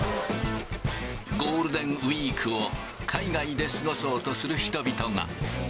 ゴールデンウィークを海外で過ごそうとする人々が。